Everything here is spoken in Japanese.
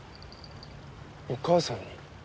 お母さんに？